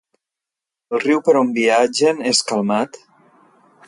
El riu per on viatgen és calmat?